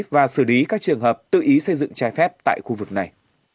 và xử lý các trường hợp tự ý xây dựng trái phép tại khu vực này